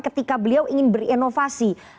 ketika beliau ingin berinovasi